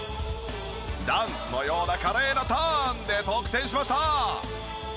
ダンスのような華麗なターンで得点しました！